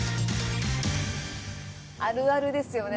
あるあるですよね。